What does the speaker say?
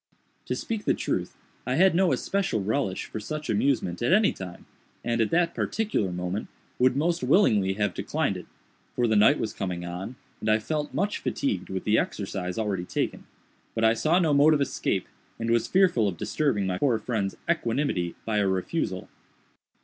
To speak the truth, I had no especial relish for such amusement at any time, and, at that particular moment, would most willingly have declined it; for the night was coming on, and I felt much fatigued with the exercise already taken; but I saw no mode of escape, and was fearful of disturbing my poor friend's equanimity by a refusal.